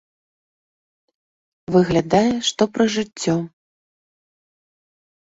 Выглядае, што пра жыццё.